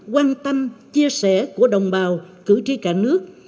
quan tâm chia sẻ của đồng bào cử tri cả nước